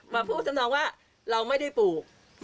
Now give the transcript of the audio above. มาพูดทำนองว่าเราไม่ได้ปลูก